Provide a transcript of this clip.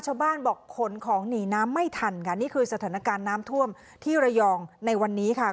ชาวบ้านบอกขนของหนีน้ำไม่ทันค่ะนี่คือสถานการณ์น้ำท่วมที่ระยองในวันนี้ค่ะ